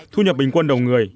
thu nhập bình quân đầu người